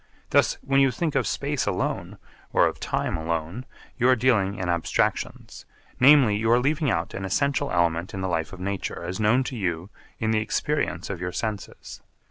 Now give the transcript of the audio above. Thus when you think of space alone, or of time alone, you are dealing in abstractions, namely, you are leaving out an essential element in the life of nature as known to you in the experience of your senses.